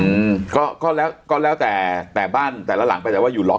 อืมก็ก็แล้วก็แล้วแต่แต่บ้านแต่ละหลังไปแต่ว่าอยู่ล้อม